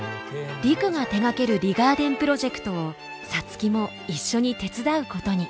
陸が手がけるリガーデンプロジェクトを皐月も一緒に手伝うことに。